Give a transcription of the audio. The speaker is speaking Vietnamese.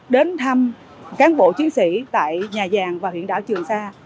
đến thăm cán bộ chiến sĩ tại nhà giàng và huyện đảo trường sa